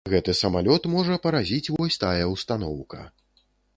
Гэты самалёт можа паразіць вось тая ўстаноўка.